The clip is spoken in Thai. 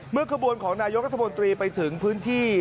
เมื่อคบวนของนายกรธมนตรีไปถึงพื้นที่